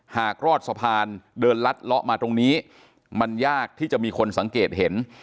หากรอดสะพานเดินลัดเลาะมาตรงนี้มันยากที่จะมีคนสังเกตเห็น